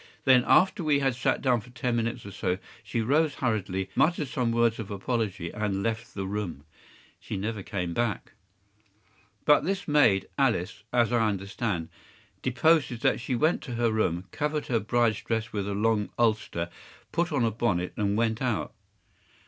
Then, after we had sat down for ten minutes or so, she rose hurriedly, muttered some words of apology, and left the room. She never came back.” “But this maid, Alice, as I understand, deposes that she went to her room, covered her bride’s dress with a long ulster, put on a bonnet, and went out.